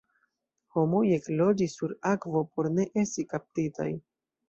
Homoj ekloĝis sur akvo por ne esti kaptitaj.